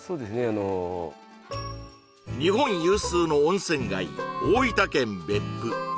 あの日本有数の温泉街大分県別府